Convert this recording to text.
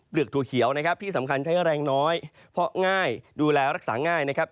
กถั่วเขียวนะครับที่สำคัญใช้แรงน้อยเพราะง่ายดูแลรักษาง่ายนะครับ